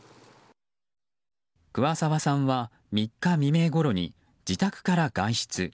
桑沢さんは３日未明ごろに自宅から外出。